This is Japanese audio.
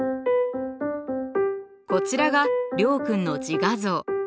こちらが諒君の自画像。